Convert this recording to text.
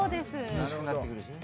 涼しくなってくるしね。